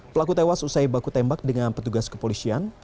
pelaku tewas usai baku tembak dengan petugas kepolisian